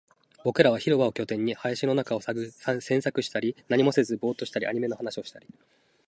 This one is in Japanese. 僕らは広場を拠点に、林の中を探索したり、何もせずボーっとしたり、アニメの話をしたり